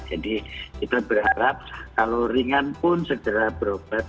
jadi kita berharap kalau ringan pun segera berobat